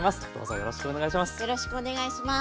よろしくお願いします。